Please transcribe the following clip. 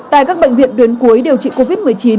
tại các bệnh viện tuyến cuối điều trị covid một mươi chín